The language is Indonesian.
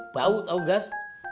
bau tau gas